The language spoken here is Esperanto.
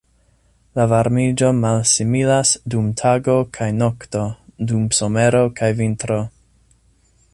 La varmigo malsimilas dum tago kaj nokto, dum somero kaj vintro.